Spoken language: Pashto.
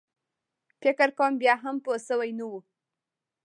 فکر کوم بیا هم پوی شوی نه و.